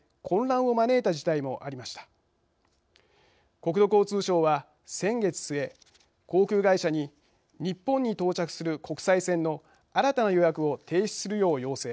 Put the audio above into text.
国土交通省は先月末航空会社に日本に到着する国際線の新たな予約を停止するよう要請。